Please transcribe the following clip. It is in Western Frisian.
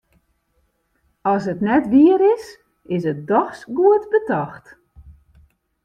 As it net wier is, is it dochs goed betocht.